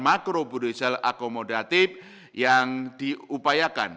macro budgetial accommodative yang diupayakan